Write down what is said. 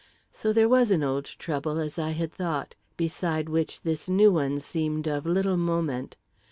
So there was an old trouble, as I had thought, beside which this new one seemed of little moment.